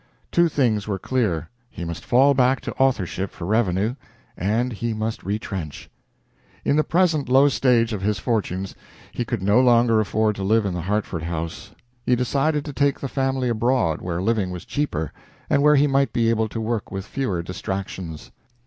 Two things were clear: he must fall back on authorship for revenue, and he must retrench. In the present low stage of his fortunes he could no longer afford to live in the Hartford house. He decided to take the family abroad, where living was cheaper, and where he might be able to work with fewer distractions.